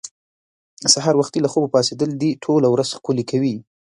سهار وختي له خوبه پاڅېدل دې ټوله ورځ ښکلې کوي.